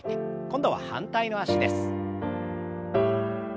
今度は反対の脚です。